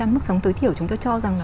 mức sống tối thiểu chúng ta cho rằng là